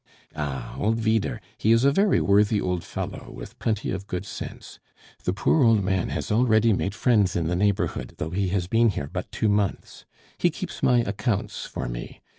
"Ah! old Vyder; he is a very worthy old fellow, with plenty of good sense. The poor old man has already made friends in the neighborhood, though he has been here but two months. He keeps my accounts for me.